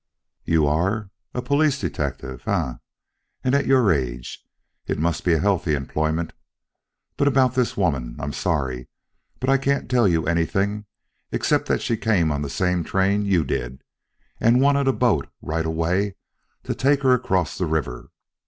"You are! A police detective, eh, and at your age! It must be a healthy employment. But about this woman! I'm sorry, but I can't tell you anything except that she came on the same train you did and wanted a boat right away to take her across the river.